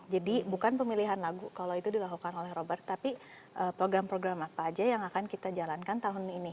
jadi bukan pemilihan lagu kalau itu dilakukan oleh robert tapi program program apa aja yang akan kita jalankan tahun ini